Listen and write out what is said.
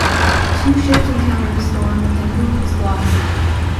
The two ships encountered a storm and "Hoop" was lost.